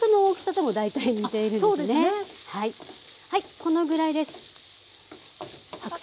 このぐらいです。